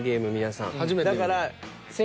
だから。